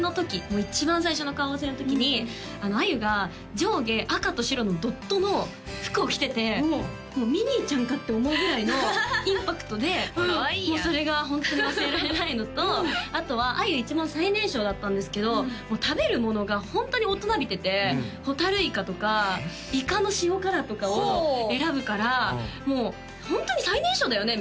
もう一番最初の顔合わせの時に杏優が上下赤と白のドットの服を着ててミニーちゃんかって思うぐらいのインパクトでかわいいやんそれがホントに忘れられないのとあとは杏優一番最年少だったんですけど食べるものがホントに大人びててホタルイカとかイカの塩辛とかを選ぶからもうホントに最年少だよね？